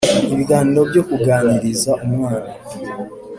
ibiganiro byo kuganiriza umwana.